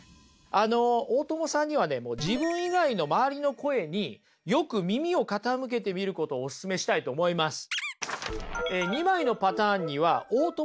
あの大友さんにはね自分以外の周りの声によく耳を傾けてみることをオススメしたいと思います。